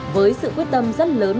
với sự quyết tâm rất lớn